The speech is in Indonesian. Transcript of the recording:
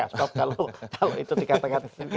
stop kalau itu dikatakan